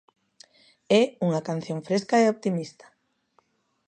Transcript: É unha canción fresca e optimista.